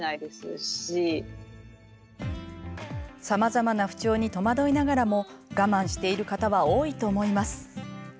さまざまな不調に戸惑いながらも我慢している方は多いと思います。